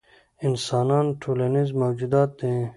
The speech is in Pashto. انسانان ټولنیز موجودات دي.